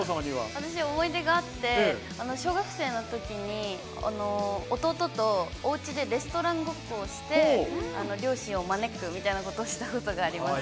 私、思い出があって、小学生のときに弟と、おうちでレストランごっこをして、両親を招くみたいなことをしたことあります。